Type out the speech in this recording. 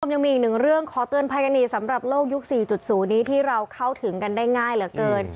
ยังมีอีกหนึ่งเรื่องขอเตือนภัยกันอีกสำหรับโลกยุค๔๐นี้ที่เราเข้าถึงกันได้ง่ายเหลือเกิน